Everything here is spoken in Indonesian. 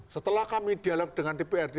setelah kami dialog dengan dprd